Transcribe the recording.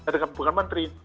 dan bukan menteri